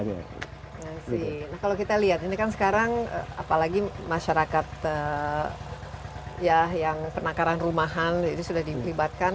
nah kalau kita lihat ini kan sekarang apalagi masyarakat ya yang penakaran rumahan itu sudah dilibatkan